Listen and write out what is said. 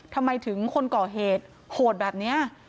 ทำไมถึงคนก่อเหตุโหดแบบนี้